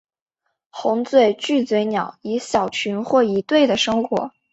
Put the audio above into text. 红嘴巨嘴鸟以小群或一对的生活。